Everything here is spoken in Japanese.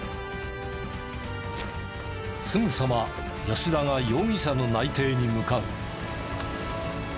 すぐさま吉田が容疑者の内偵に向かう。